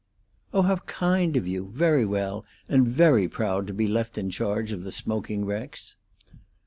"Oh, how kind of you! Very well, and very proud to be left in charge of the smoking wrecks."